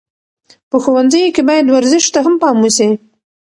په ښوونځیو کې باید ورزش ته هم پام وسي.